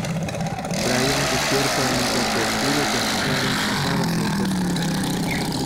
Bryan despierta en un cuarto oscuro con sus manos atadas a un poste.